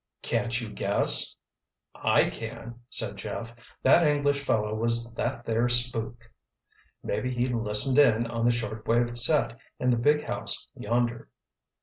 "Can't you guess?" "I can," said Jeff. "That English fellow was that there 'spook.' Maybe he 'listened in' on the short wave set in the big house yonder."